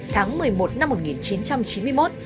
tháng một mươi một năm một nghìn chín trăm chín mươi một